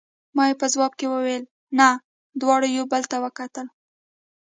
ما یې په ځواب کې وویل: نه، دواړو یو بل ته وکتل.